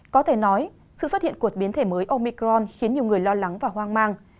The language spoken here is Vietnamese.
có thể nói sự xuất hiện của biến thể mới omicron khiến nhiều người lo lắng và hoang mang